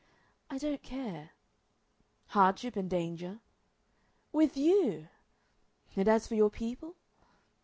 "I don't care." "Hardship and danger." "With you!" "And as for your people?"